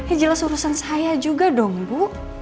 eh jelas urusan saya juga dong bu